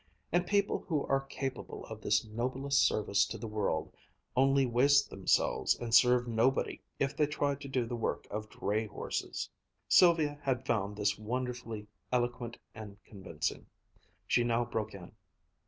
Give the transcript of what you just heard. And people who are capable of this noblest service to the world only waste themselves and serve nobody if they try to do the work of dray horses." Sylvia had found this wonderfully eloquent and convincing. She now broke in.